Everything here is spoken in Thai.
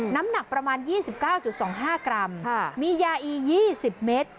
น้ำหนักประมาณยี่สิบเก้าจุดสองห้ากรัมค่ะมียาอียี่สิบเม็ด